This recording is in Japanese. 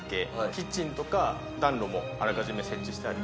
キッチンとか暖炉もあらかじめ設置してある。